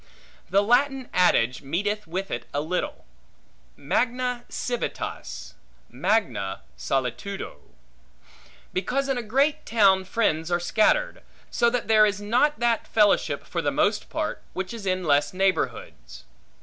The Latin adage meeteth with it a little: Magna civitas, magna solitudo; because in a great town friends are scattered; so that there is not that fellowship, for the most part, which is in less neighborhoods.